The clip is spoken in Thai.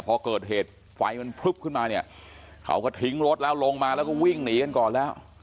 พอเกิดเหตุไฟมันพลึบขึ้นมาเนี่ยเขาก็ทิ้งรถแล้วลงมาแล้วก็วิ่งหนีกันก่อนแล้ว